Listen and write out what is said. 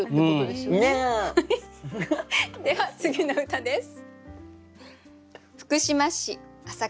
では次の歌です。